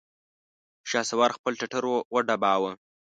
شهسوار خپل ټټر وډباوه!